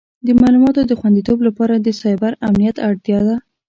د معلوماتو د خوندیتوب لپاره د سایبر امنیت اړتیا ده.